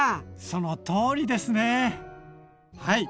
そのとおりですねはい。